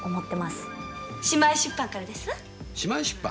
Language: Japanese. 姉妹出版からですわ。